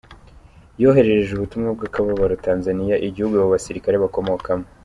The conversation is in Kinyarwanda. Yoherereje ubutumwa bw'akababaro Tanzania igihugu abo basirikare bakomokamo.